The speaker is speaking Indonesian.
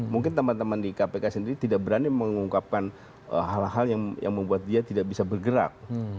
mungkin teman teman di kpk sendiri tidak berani mengungkapkan hal hal yang membuat dia tidak bisa bergerak